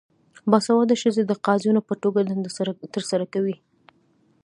باسواده ښځې د قاضیانو په توګه دنده ترسره کوي.